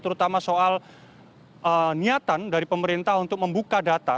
terutama soal niatan dari pemerintah untuk membuka data